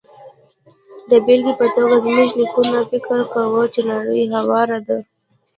د بېلګې په توګه، زموږ نیکونو فکر کاوه چې نړۍ هواره ده.